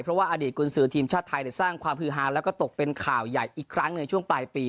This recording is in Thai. เพราะว่าอดีตกุญสือทีมชาติไทยสร้างความฮือฮาแล้วก็ตกเป็นข่าวใหญ่อีกครั้งในช่วงปลายปี